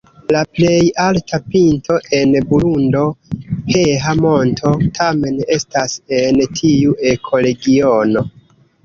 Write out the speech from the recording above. La plej alta pinto en Burundo, Heha-Monto tamen estas en tiu ekoregiono.